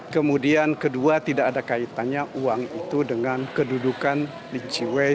kemudian kedua tidak ada kaitannya uang itu dengan kedudukan lin chiwe